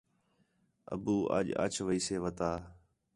ابو اَڄ اِچ ویسے وتا